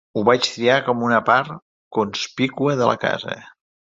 Ho vaig triar com a una part conspícua de la casa.